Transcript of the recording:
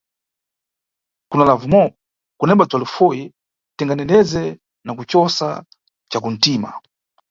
Kuna Lavimó, kunemba bzwa lufoyi tingandendeze na kucosa ca kuntima.